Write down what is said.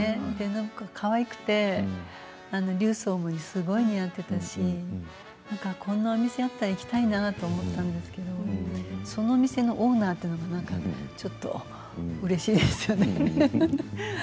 暢子がかわいくて琉装もすごい似合っていたしこんなお店があったら行きたいなと思いましたけどそのお店のオーナーというのがちょっとうれしいですよね。